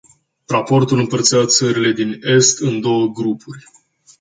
Raportul împărțea țările din est în două grupuri.